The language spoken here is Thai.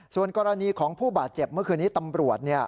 ส่วนกรณีของผู้บาดเจ็บเมื่อคืนนี้ตำรวจ